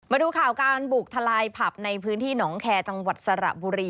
มาดูข่าวการบุกทลายผับในพื้นที่หนองแคร์จังหวัดสระบุรี